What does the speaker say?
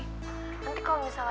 nanti kalau misalnya ada yang nanya